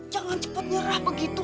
jangan cepet nyerah begitu